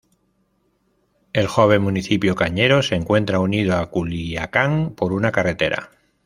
El joven municipio cañero se encuentra unido a Culiacán por una carretera.